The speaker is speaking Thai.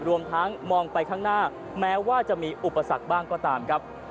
รวมทั้งมองไปข้างหน้าแม้ว่าจะมีอุปสรรคบ้างก็ตามครับ